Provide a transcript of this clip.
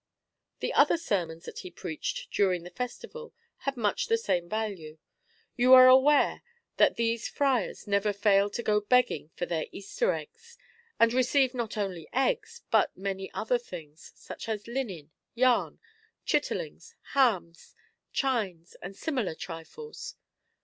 The other sermons that he preached during the festival had much the same value. You are aware that these friars never fail to go begging for their Easter eggs, and receive not only eggs, but many other things, such as linen, yarn, chit terlings, hams, chines, and similar trifles.